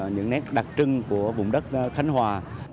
những nét đặc trưng của vùng đất khánh hòa